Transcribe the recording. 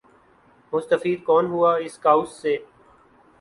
مستفید کون ہوا اس کاؤس سے ۔